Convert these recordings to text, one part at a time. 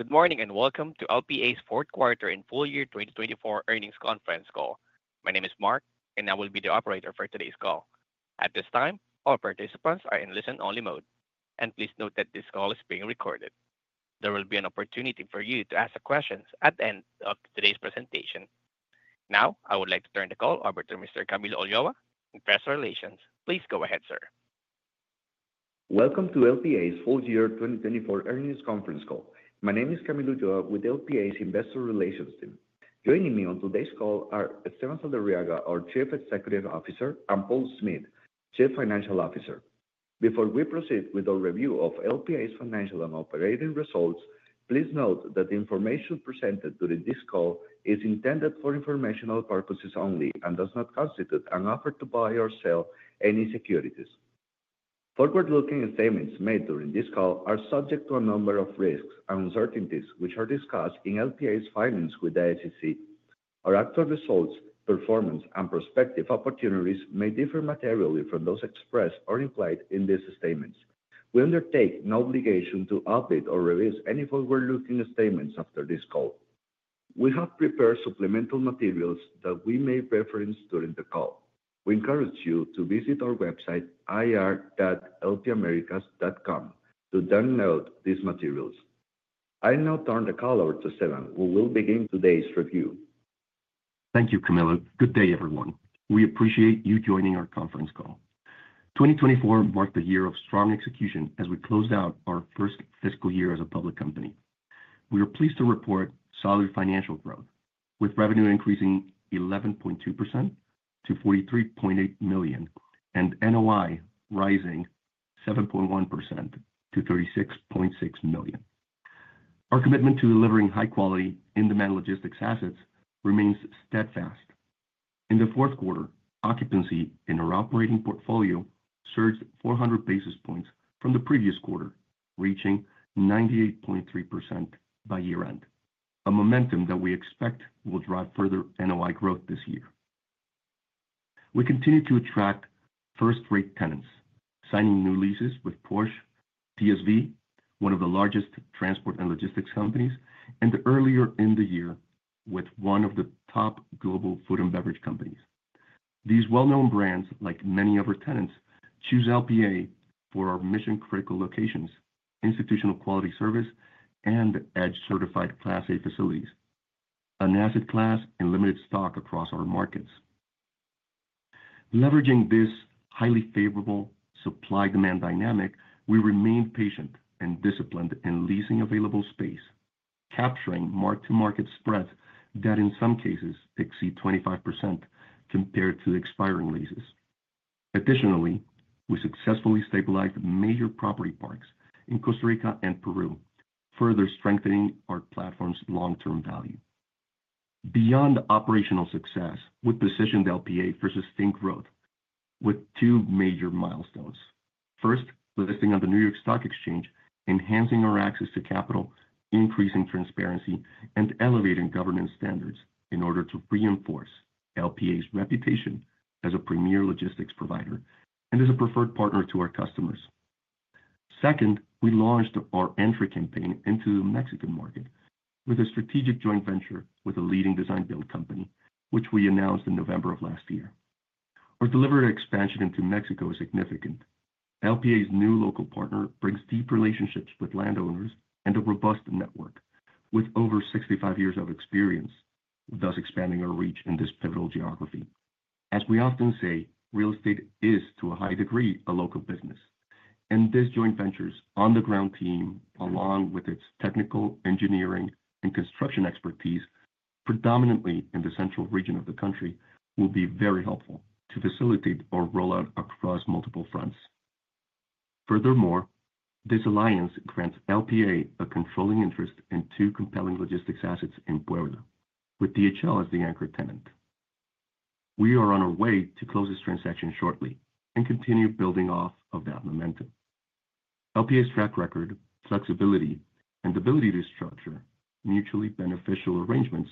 Good morning and welcome to LPA's Fourth Quarter and Full Year 2024 Earnings Conference Call. My name is Mark, and I will be the operator for today's call. At this time, all participants are in listen-only mode, and please note that this call is being recorded. There will be an opportunity for you to ask questions at the end of today's presentation. Now, I would like to turn the call over to Mr. Camilo Ulloa, Investor Relations. Please go ahead, sir. Welcome to LPA's Full Year 2024 Earnings Conference Call. My name is Camilo Ulloa with LPA's Investor Relations team. Joining me on today's call are Esteban Saldarriaga, our Chief Executive Officer, and Paul Smith, Chief Financial Officer. Before we proceed with our review of LPA's financial and operating results, please note that the information presented during this call is intended for informational purposes only and does not constitute an offer to buy or sell any securities. Forward-looking statements made during this call are subject to a number of risks and uncertainties which are discussed in LPA's filings with the SEC. Our actual results, performance, and prospective opportunities may differ materially from those expressed or implied in these statements. We undertake no obligation to update or review any forward-looking statements after this call. We have prepared supplemental materials that we may reference during the call. We encourage you to visit our website, ir.lpamericas.com, to download these materials. I'll now turn the call over to Esteban, who will begin today's review. Thank you, Camilo. Good day, everyone. We appreciate you joining our conference call. 2024 marked a year of strong execution as we closed out our first fiscal year as a public company. We are pleased to report solid financial growth, with revenue increasing 11.2% to $43.8 million and NOI rising 7.1% to $36.6 million. Our commitment to delivering high-quality in-demand logistics assets remains steadfast. In the fourth quarter, occupancy in our operating portfolio surged 400 basis points from the previous quarter, reaching 98.3% by year-end, a momentum that we expect will drive further NOI growth this year. We continue to attract first-rate tenants, signing new leases with Porsche, DSV, one of the largest transport and logistics companies, and earlier in the year with one of the top global food and beverage companies. These well-known brands, like many of our tenants, choose LPA for our mission-critical locations, institutional quality service, and EDGE-certified Class A facilities, an asset class in limited stock across our markets. Leveraging this highly favorable supply-demand dynamic, we remained patient and disciplined in leasing available space, capturing mark-to-market spreads that in some cases exceed 25% compared to expiring leases. Additionally, we successfully stabilized major property parks in Costa Rica and Peru, further strengthening our platform's long-term value. Beyond operational success, we positioned LPA for sustained growth with two major milestones. First, listing on the New York Stock Exchange, enhancing our access to capital, increasing transparency, and elevating governance standards in order to reinforce LPA's reputation as a premier logistics provider and as a preferred partner to our customers. Second, we launched our entry campaign into the Mexican market with a strategic joint venture with a leading design-build company, which we announced in November of last year. Our delivery expansion into Mexico is significant. LPA's new local partner brings deep relationships with landowners and a robust network with over 65 years of experience, thus expanding our reach in this pivotal geography. As we often say, real estate is, to a high degree, a local business, and this joint venture's on-the-ground team, along with its technical, engineering, and construction expertise, predominantly in the central region of the country, will be very helpful to facilitate our rollout across multiple fronts. Furthermore, this alliance grants LPA a controlling interest in two compelling logistics assets in Puebla, with DHL as the anchor tenant. We are on our way to close this transaction shortly and continue building off of that momentum. LPA's track record, flexibility, and ability to structure mutually beneficial arrangements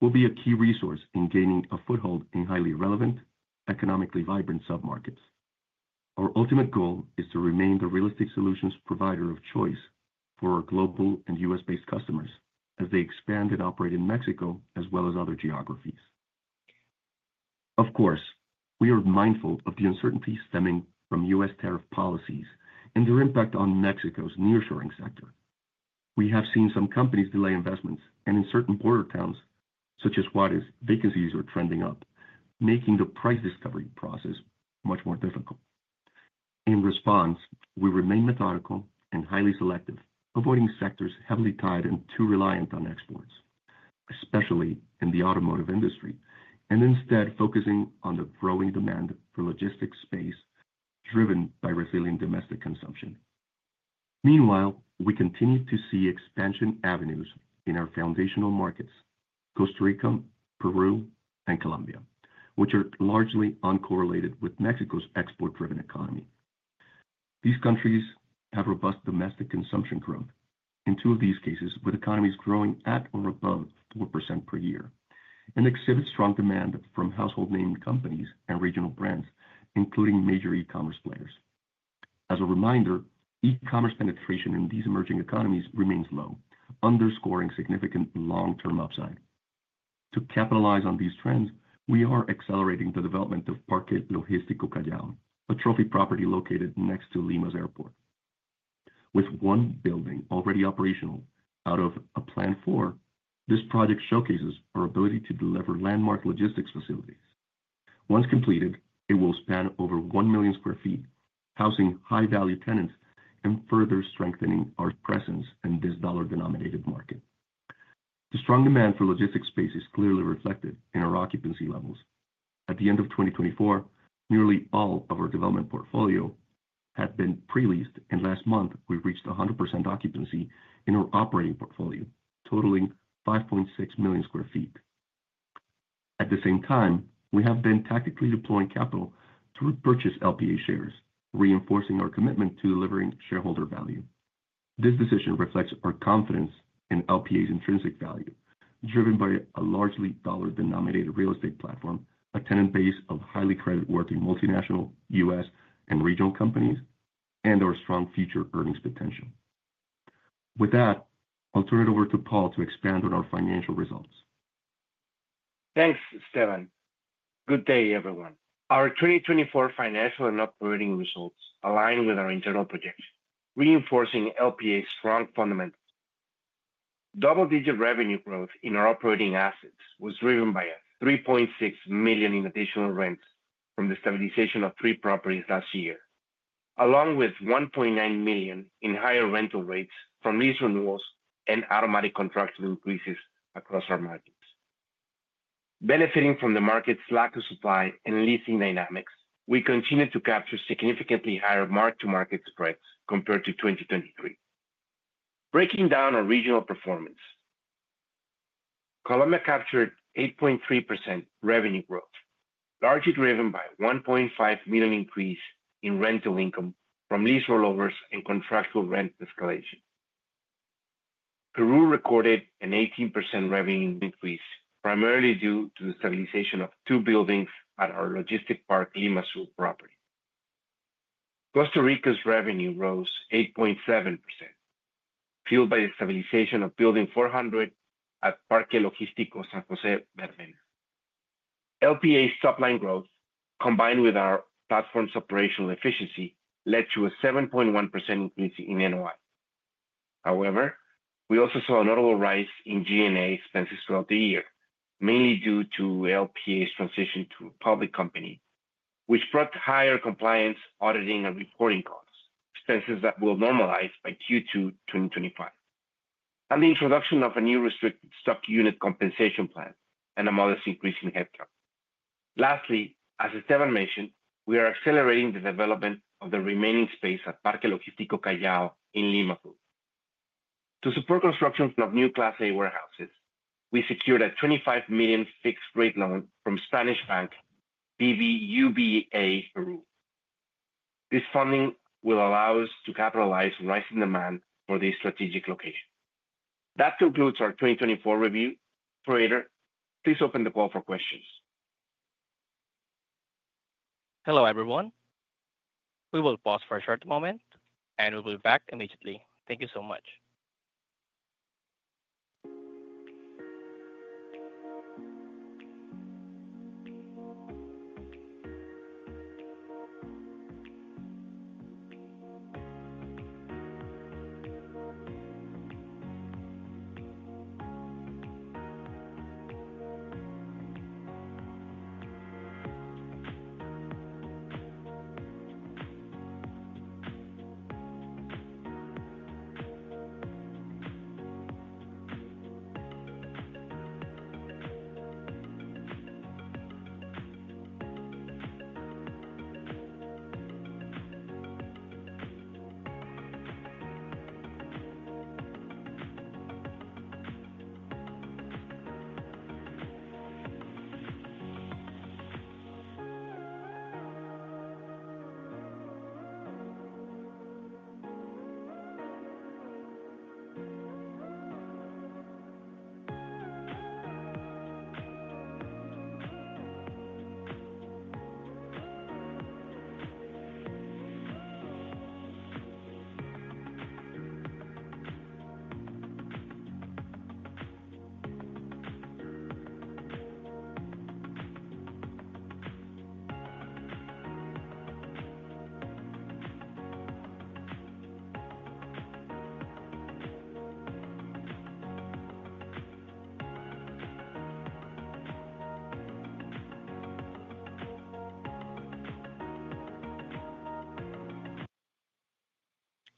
will be a key resource in gaining a foothold in highly relevant, economically vibrant sub-markets. Our ultimate goal is to remain the realistic solutions provider of choice for our global and U.S.-based customers as they expand and operate in Mexico as well as other geographies. Of course, we are mindful of the uncertainty stemming from U.S. tariff policies and their impact on Mexico's nearshoring sector. We have seen some companies delay investments, and in certain border towns, such as Juárez, vacancies are trending up, making the price discovery process much more difficult. In response, we remain methodical and highly selective, avoiding sectors heavily tied and too reliant on exports, especially in the automotive industry, and instead focusing on the growing demand for logistics space driven by resilient domestic consumption. Meanwhile, we continue to see expansion avenues in our foundational markets, Costa Rica, Peru, and Colombia, which are largely uncorrelated with Mexico's export-driven economy. These countries have robust domestic consumption growth in two of these cases, with economies growing at or above 4% per year, and exhibit strong demand from household-name companies and regional brands, including major e-commerce players. As a reminder, e-commerce penetration in these emerging economies remains low, underscoring significant long-term upside. To capitalize on these trends, we are accelerating the development of Parque Logístico Callao, a trophy property located next to Lima's airport. With one building already operational out of a plan for, this project showcases our ability to deliver landmark logistics facilities. Once completed, it will span over 1 million sq ft, housing high-value tenants and further strengthening our presence in this dollar-denominated market. The strong demand for logistics space is clearly reflected in our occupancy levels. At the end of 2024, nearly all of our development portfolio had been pre-leased, and last month, we reached 100% occupancy in our operating portfolio, totaling 5.6 million sq ft. At the same time, we have been tactically deploying capital to repurchase LPA shares, reinforcing our commitment to delivering shareholder value. This decision reflects our confidence in LPA's intrinsic value, driven by a largely dollar-denominated real estate platform, a tenant base of highly creditworthy multinational, U.S., and regional companies, and our strong future earnings potential. With that, I'll turn it over to Paul to expand on our financial results. Thanks, Esteban. Good day, everyone. Our 2024 financial and operating results align with our internal projection, reinforcing LPA's strong fundamentals. Double-digit revenue growth in our operating assets was driven by $3.6 million in additional rents from the stabilization of three properties last year, along with $1.9 million in higher rental rates from lease renewals and automatic contractual increases across our markets. Benefiting from the market's lack of supply and leasing dynamics, we continue to capture significantly higher mark-to-market spreads compared to 2023. Breaking down our regional performance, Colombia captured 8.3% revenue growth, largely driven by a $1.5 million increase in rental income from lease rollovers and contractual rent escalation. Peru recorded an 18% revenue increase, primarily due to the stabilization of two buildings at our logistics park Lima Sur property. Costa Rica's revenue rose 8.7%, fueled by the stabilization of Building 400 at Parque Logístico San José Verbena. LPA's top-line growth, combined with our platform's operational efficiency, led to a 7.1% increase in NOI. However, we also saw a notable rise in G&A expenses throughout the year, mainly due to LPA's transition to a public company, which brought higher compliance, auditing, and reporting costs, expenses that will normalize by Q2 2025, and the introduction of a new restricted stock unit compensation plan and a modest increase in headcount. Lastly, as Esteban mentioned, we are accelerating the development of the remaining space at Parque Logístico Callao in Lima. To support construction of new Class A warehouses, we secured a $25 million fixed-rate loan from BBVA Peru. This funding will allow us to capitalize on rising demand for this strategic location. That concludes our 2024 review. Operator, please open the call for questions. Hello, everyone. We will pause for a short moment, and we'll be back immediately. Thank you so much.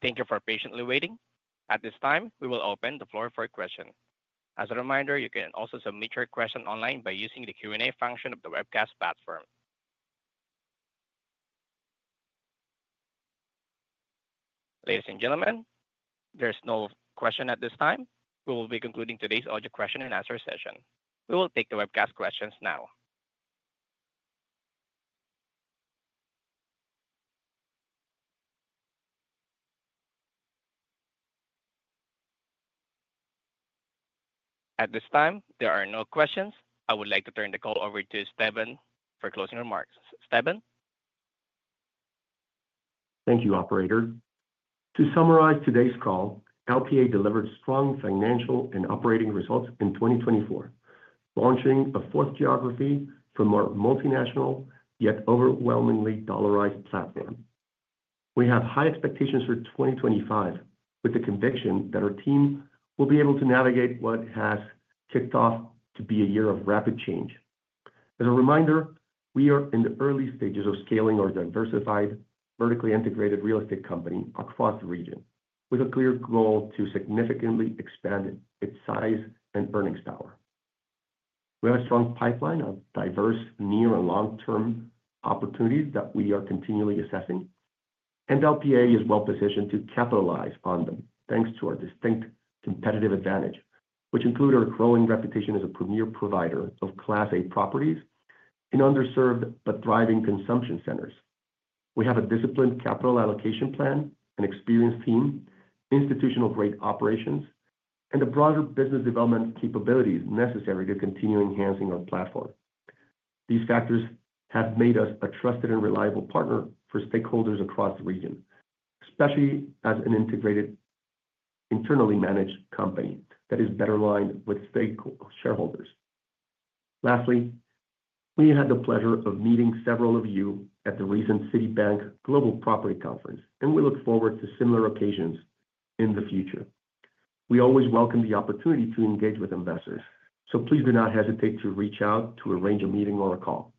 Thank you for patiently waiting. At this time, we will open the floor for questions. As a reminder, you can also submit your question online by using the Q&A function of the webcast platform. Ladies and gentlemen, there's no question at this time. We will be concluding today's Audio Question and Answer session. We will take the webcast questions now. At this time, there are no questions. I would like to turn the call over to Esteban for closing remarks. Esteban? Thank you, Operator. To summarize today's call, LPA delivered strong financial and operating results in 2024, launching a fourth geography from our multinational, yet overwhelmingly dollarized platform. We have high expectations for 2025, with the conviction that our team will be able to navigate what has kicked off to be a year of rapid change. As a reminder, we are in the early stages of scaling our diversified, vertically integrated real estate company across the region, with a clear goal to significantly expand its size and earnings power. We have a strong pipeline of diverse near and long-term opportunities that we are continually assessing, and LPA is well-positioned to capitalize on them thanks to our distinct competitive advantage, which include our growing reputation as a premier provider of Class A properties in underserved but thriving consumption centers. We have a disciplined capital allocation plan, an experienced team, institutional-grade operations, and the broader business development capabilities necessary to continue enhancing our platform. These factors have made us a trusted and reliable partner for stakeholders across the region, especially as an integrated, internally managed company that is better aligned with stakeholders. Lastly, we had the pleasure of meeting several of you at the recent Citibank Global Property Conference, and we look forward to similar occasions in the future. We always welcome the opportunity to engage with investors, so please do not hesitate to reach out to arrange a meeting or a call.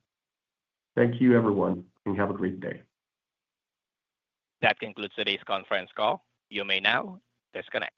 Thank you, everyone, and have a great day. That concludes today's conference call. You may now disconnect.